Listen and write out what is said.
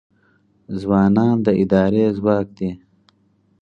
ځوانان د ادارې ځواک دی